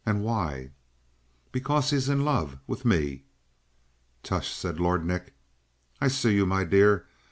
"And why?" "Because he's in love with me." "Tush!" said Lord Nick. "I see you, my dear.